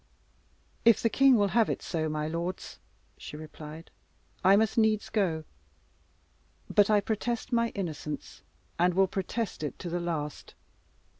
"If the king will have it so, my lords," she replied, "I must needs go; but I protest my innocence, and will protest it to the last.